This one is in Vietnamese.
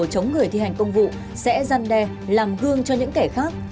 chống người thi hành công vụ sẽ gian đe làm gương cho những kẻ khác